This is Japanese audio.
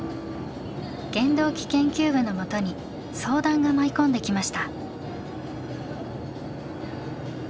原動機研究部のもとに相談が舞い込んできました。